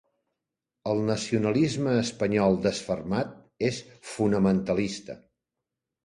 El nacionalisme espanyol desfermat és fonamentalista.